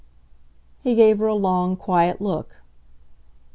He gave her a long, quiet look.